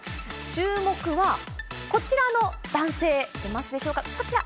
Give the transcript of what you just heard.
注目は、こちらの男性、出ますでしょうか、こちら。